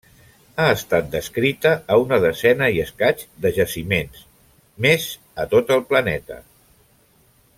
Ha estat descrita a una desena i escaig de jaciments més a tot el planeta.